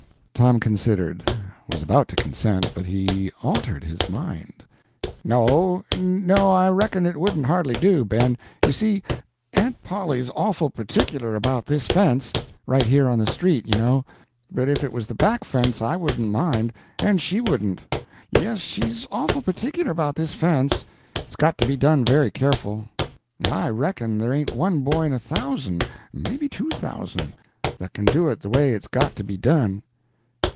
Tom considered; was about to consent; but he altered his mind: "No, no; I reckon it wouldn't hardly do, Ben. You see, Aunt Polly's awful particular about this fence right here on the street, you know but if it was the back fence I wouldn't mind, and she wouldn't. Yes, she's awful particular about this fence; it's got to be done very careful; I reckon there ain't one boy in a thousand, maybe two thousand, that can do it the way it's got to be done."